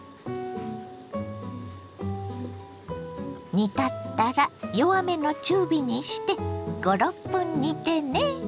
煮立ったら弱めの中火にして５６分煮てね。